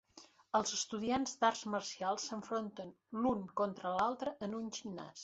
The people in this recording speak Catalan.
Els estudiants d'arts marcials enfronten l'un contra l'altre en un gimnàs.